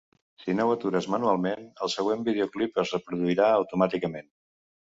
Si no ho atures manualment, el següent videoclip es reproduirà automàticament.